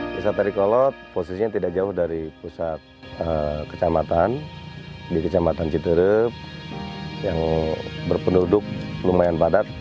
desa tarikolot posisinya tidak jauh dari pusat kecamatan di kecamatan citerep yang berpenduduk lumayan padat